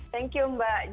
thank you mbak